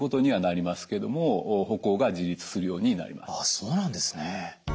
そうなんですね！